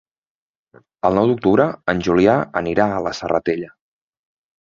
El nou d'octubre en Julià anirà a la Serratella.